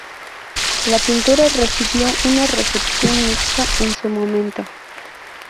La pintura recibió una recepción mixta en su momento.